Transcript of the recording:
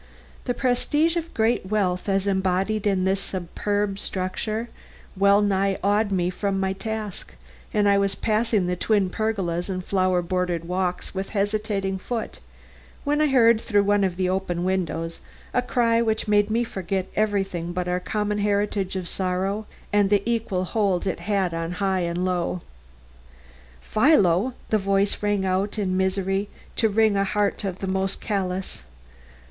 The prestige of great wealth as embodied in this superb structure well nigh awed me from my task and I was passing the twin pergolas and flower bordered walks with hesitating foot, when I heard through one of the open windows a cry which made me forget everything but our common heritage of sorrow and the equal hold it has on high and low. "Philo!" the voice rang out in a misery to wring the heart of the most callous.